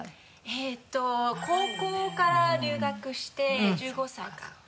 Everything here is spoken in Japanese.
えっと高校から留学して１５歳か。